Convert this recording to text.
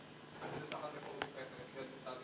dan di saat ini revolusi